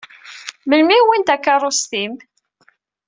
Melmi i wwin takeṛṛust-im?